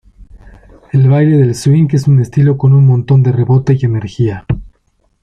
El baile del swing es un estilo con un montón de rebote y energía.